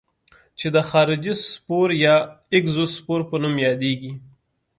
چې د خارجي سپور یا اګزوسپور په نوم یادیږي.